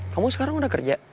kamu sekarang sudah kerja